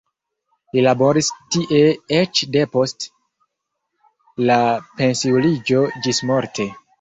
Li laboris tie eĉ depost la pensiuliĝo ĝismorte.